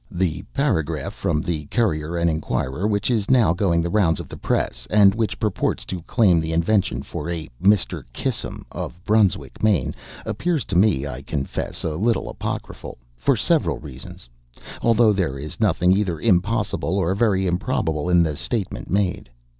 The paragraph from the 'Courier and Enquirer,' which is now going the rounds of the press, and which purports to claim the invention for a Mr. Kissam, of Brunswick, Maine, appears to me, I confess, a little apocryphal, for several reasons; although there is nothing either impossible or very improbable in the statement made.